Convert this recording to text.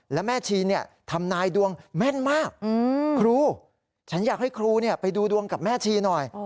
แล้วแม่ชีทำนายดวงแม่นมากครูฉันอยากให้ครูไปดูดวงกับแม่ชีหน่อย